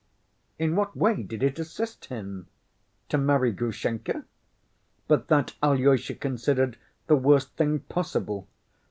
In what way did it assist him? To marry Grushenka? But that Alyosha considered the worst thing possible.